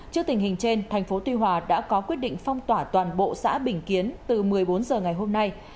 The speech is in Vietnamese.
trước tình hình trên thành phố tuy hòa đã có quyết định phong tỏa toàn bộ xã bình kiến từ một mươi bốn h ngày hôm nay